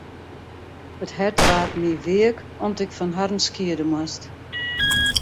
It hart waard my weak om't ik fan harren skiede moast.